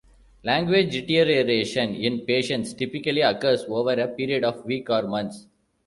Language deterioration in patients typically occurs over a period of weeks or months.